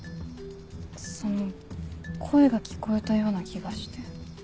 その声が聞こえたような気がして。